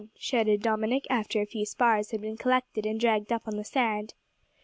shouted Dominick, after a few spars had been collected and dragged up on the sand.